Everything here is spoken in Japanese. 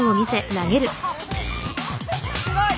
すごい。